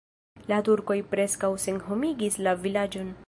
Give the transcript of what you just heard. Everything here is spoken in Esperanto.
La turkoj preskaŭ senhomigis la vilaĝon.